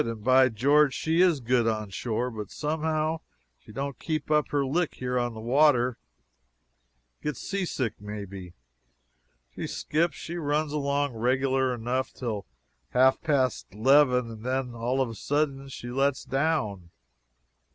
And, by George, she is good onshore, but somehow she don't keep up her lick here on the water gets seasick may be. She skips; she runs along regular enough till half past eleven, and then, all of a sudden, she lets down.